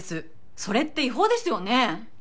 それって違法ですよね？